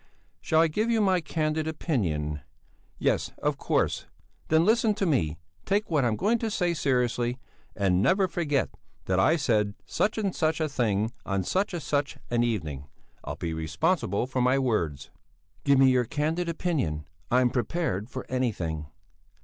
Shall I give you my candid opinion? Yes, of course! Then listen to me, take what I'm going to say seriously, and never forget that I said such and such a thing on such and such an evening; I'll be responsible for my words." "Give me your candid opinion! I'm prepared for anything."